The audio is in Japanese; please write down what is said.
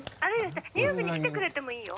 ☎ニューヨークに来てくれてもいいよ。